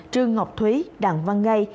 trương ngọc thúy đặng văn ngây